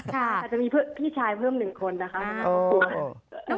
ค่ะจะมีพี่ชายเพิ่มหนึ่งคนนะคะ